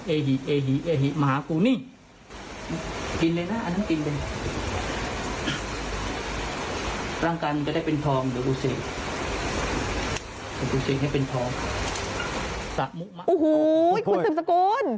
โอ้โหคุณสืบสกุล